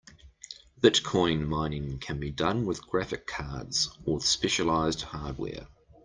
Bitcoin mining can be done with graphic cards or with specialized hardware.